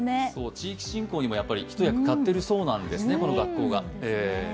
地域振興にも一役買っているそうなんですね、この学校が。